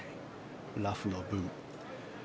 ラフの部分。